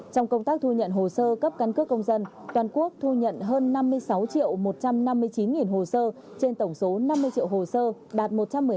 trong công tác thu nhận hồ sơ cấp căn cước công dân toàn quốc thu nhận hơn năm mươi sáu một trăm năm mươi chín hồ sơ trên tổng số năm mươi triệu hồ sơ đạt một trăm một mươi tám